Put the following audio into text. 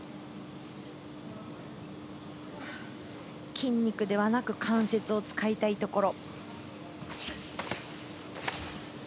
筋肉ではなく関節を使いたいところ。